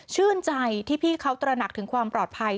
ชื่นใจที่พี่เขาตระหนักถึงความปลอดภัย